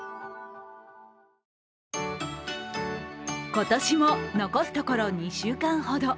今年も残すところ２週間ほど。